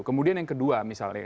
kemudian yang kedua misalnya